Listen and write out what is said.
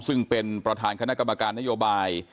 ซึ่งเป็นประธานคณะกรรมการนโยบาย